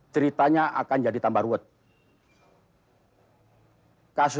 tenang saja kamu